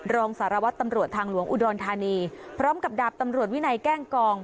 รองสารวัตรตำรวจทางหลวงอุดรธานีพร้อมกับดาบตำรวจวินัยแกล้งกอง